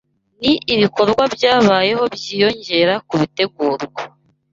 Ni ibikorwa byabayeho byiyongera ku bitegurwa